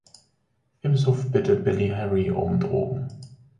Im Suff bittet Billie Harry um Drogen.